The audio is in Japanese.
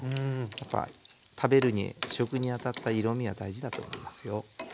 やっぱ食べるに食にあたった色みは大事だと思いますよ。